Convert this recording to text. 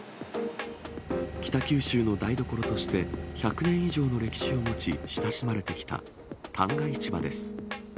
北九州の台所として、１００年以上の歴史を持ち、親しまれてきた旦過市場です。